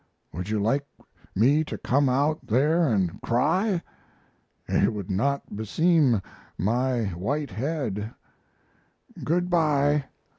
Would you like me to come out there and cry? It would not beseem my white head. Good by.